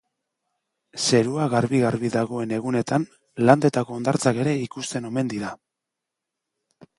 Zerua garbi-garbi dagoen egunetan Landetako hondartzak ere ikusten omen dira.